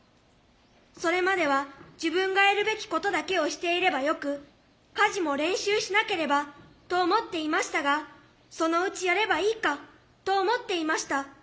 それまでは自分がやるべきことだけをしていればよく家事も練習しなければと思っていましたがそのうちやればいいかと思っていました。